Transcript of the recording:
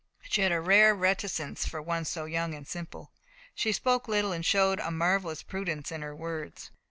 She had a rare reticence for one so young and simple. "She spoke little, and showed a marvellous prudence in her words."